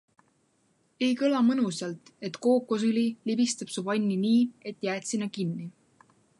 Ei kõla mõnusalt, et kookosõli libistab su vanni nii, et jääd sinna kinni...